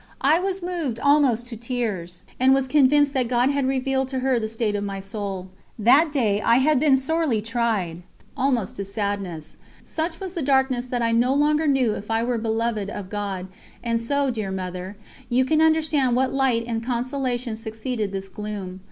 I was moved almost to tears, and was convinced that God had revealed to her the state of my soul. That day I had been sorely tried, almost to sadness. Such was the darkness that I no longer knew if I were beloved of God, and so, dear Mother, you can understand what light and consolation succeeded this gloom.